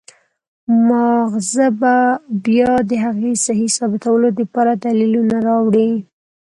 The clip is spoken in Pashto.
مازغه به بيا د هغې سهي ثابتولو د پاره دليلونه راوړي